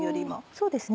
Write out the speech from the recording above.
そうですね